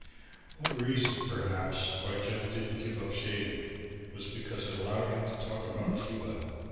One reason, perhaps, why Jeff didn't give up shaving was because it allowed him to talk about Cuba.